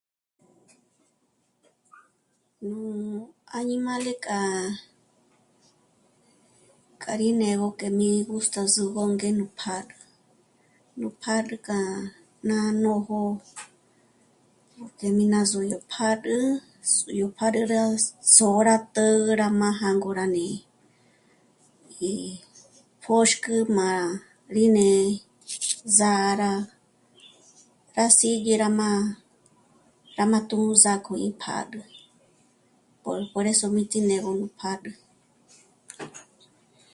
Nú añimále k'a... k'a rí né'egö k'e mí gustazügö ngé nú pjâd'ü. Nú pjâd'ü k'a ná nójo jé mí ná só'o yó pjâd'ü, s'o'o yó pjâd'ü rá sô'o rá tǚ'ü rá mája ngo rá ndí'i, rí pjö̀xkü mǎ rí né'e zǎra rá sí dyé rá má'a... rá má'a tū̀sjā ko ì pjàd'ü. Pol... por eso mí tí né'egö nú pjâd'ü